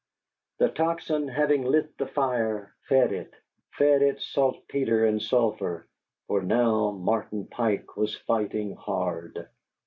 The Tocsin, having lit the fire, fed it fed it saltpetre and sulphur for now Martin Pike was fighting hard.